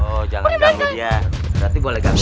oh jangan ganggu dia berarti boleh gampang